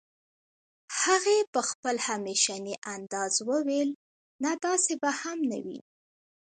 هغې په خپل همېشني انداز وويل نه داسې به هم نه وي